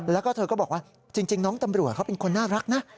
แล้วก็เธอก็บอกว่าจริงน้องตำรวจเขาเป็นคนน่ารักนะ